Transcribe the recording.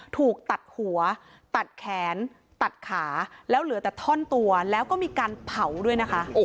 ถูกตัดหัวตัดแขนตัดขาแล้วเหลือแต่ท่อนตัวแล้วก็มีการเผาด้วยนะคะ